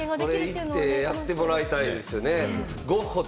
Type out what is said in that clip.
これ行ってやってもらいたいですよね。